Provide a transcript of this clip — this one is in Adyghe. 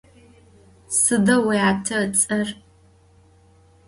Sıda vuyate ıts'er?